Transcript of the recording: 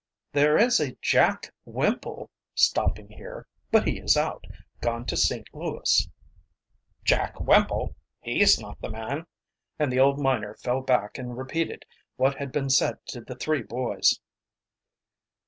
"There is a Jack Wimple stopping here but he is out gone to St. Louis." "Jack Wimple? He's not the man," and the old miner fell back and repeated what had been said to the three boys.